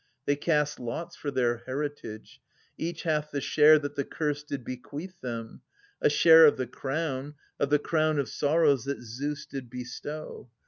They cast lots for their heritage : each hath the share that the Curse did bequeath them, A share of the crown — of the crown of sorrows that Zeus did bestow.